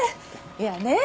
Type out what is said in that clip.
いやねえ